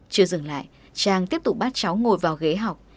chưa dừng lại trang tiếp tục bắt cháu ngồi vào ghế học